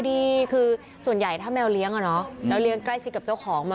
นี่นี่นี่นี่นี่นี่นี่นี่นี่นี่